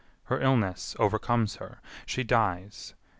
Her illness overcomes her. She dies.